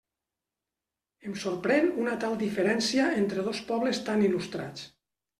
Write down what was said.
Em sorprèn una tal diferència entre dos pobles tan il·lustrats.